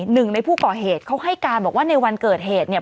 หนึ่งในผู้ก่อเหตุเขาให้การบอกว่าในวันเกิดเหตุเนี่ย